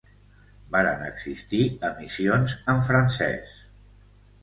Varen existir emissions en francés.